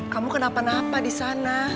kamu kenapa napa disana